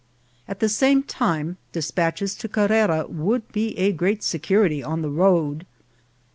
At the same time, de spatches to Carrera would be a great security on the road.